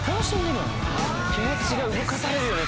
・気持ちが動かされるよね